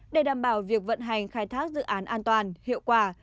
để đảm bảo việc vận hành khai thác dự án an toàn hiệu quả